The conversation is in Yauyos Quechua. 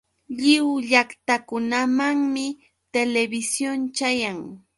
Lliw llaqtakunamanmi televisión chayan.